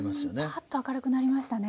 パーッと明るくなりましたね。